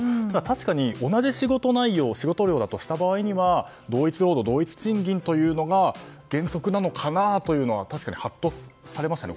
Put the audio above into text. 確かに同じ仕事内容仕事量だったとした場合同一労働、同一賃金というのが原則なのかなというのが確かにハッとされましたね。